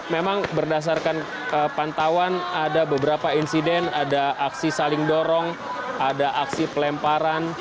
memang berdasarkan pantauan ada beberapa insiden ada aksi saling dorong ada aksi pelemparan